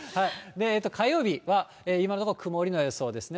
火曜日は、今のところ曇りの予想ですね。